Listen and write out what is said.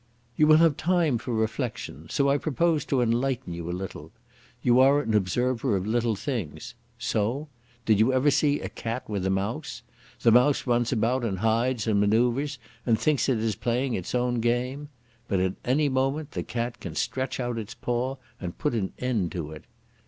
"You will have time for reflection, so I propose to enlighten you a little. You are an observer of little things. So? Did you ever see a cat with a mouse? The mouse runs about and hides and manœuvres and thinks it is playing its own game. But at any moment the cat can stretch out its paw and put an end to it.